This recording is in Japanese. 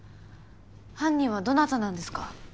犯人はどなたなんですか？